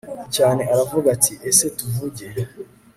cyane aravuga ati ese tuvuge